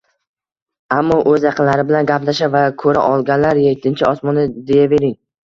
Ammo o`z yaqinlari bilan gaplasha va ko`ra olganlar ettinchi osmonda deyavering